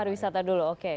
pariwisata dulu oke